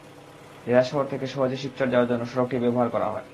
জেলা শহর থেকে সহজে শিবচর যাওয়ার জন্য সড়কটি ব্যবহার করা হয়।